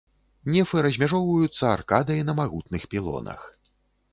Нефы размяжоўваюцца аркадай на магутных пілонах.